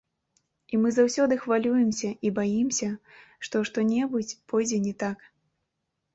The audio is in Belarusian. І мы заўсёды хвалюемся і баімся, што што-небудзь пойдзе не так.